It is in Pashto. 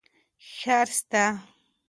ښار سته.